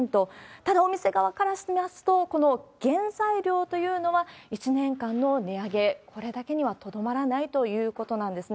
ただお店側からしますと、この原材料というのは１年間の値上げ、これだけにはとどまらないということなんですね。